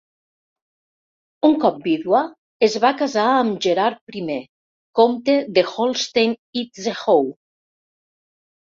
Un cop vídua es va casar amb Gerhard I, comte d'Holstein-Itzehoe.